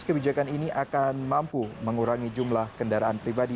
kebijakan ini akan mampu mengurangi jumlah kendaraan pribadi